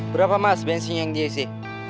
berapa mas bensin yang dia isi